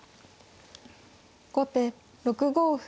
後手６五歩。